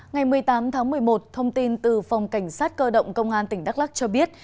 ngày một mươi tám tháng một mươi một thông tin từ phòng cảnh sát cơ động công an tỉnh đắk lắc cho biết